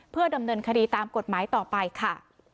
เพื่อดำเนินคดีตามกฎหมายต่อไปค่ะ